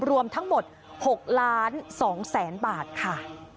รวมทั้งหมด๖๒๐๐๐๐๐บาทค่ะ